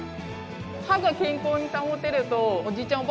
歯が健康に保てるとおじいちゃん